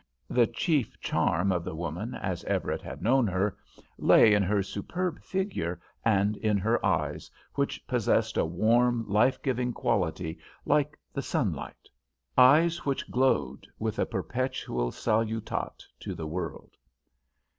The chief charm of the woman, as Everett had known her, lay in her superb figure and in her eyes, which possessed a warm, life giving quality like the sunlight; eyes which glowed with a perpetual salutat to the world.